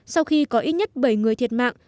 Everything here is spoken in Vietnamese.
sau khi có ít nhất bảy người thiệt mạng